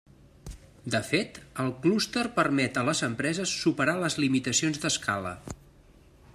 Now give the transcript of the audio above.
De fet, el clúster permet a les empreses superar les limitacions d'escala.